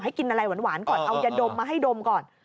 กินอะไรหวานก่อนเอายาดมมาให้ดมก่อน